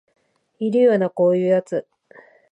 いるよなこういうやつ